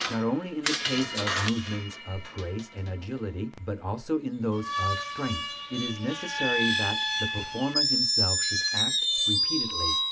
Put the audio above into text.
Not only in the case of movements of grace and agility, but also in those of strength, it is necessary that the performer himself should act repeatedly.